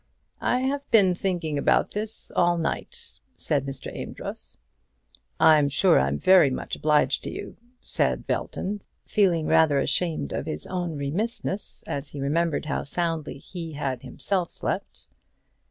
"I have been thinking about this all night," said Mr. Amedroz. "I'm sure I'm very much obliged to you," said Belton, feeling rather ashamed of his own remissness as he remembered how soundly he had himself slept.